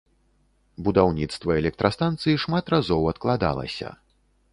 Будаўніцтва электрастанцыі шмат разоў адкладалася.